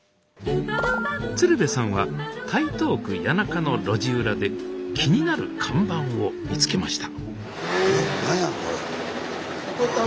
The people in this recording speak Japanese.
鶴瓶さんは台東区谷中の路地裏で気になる看板を見つけましたえ？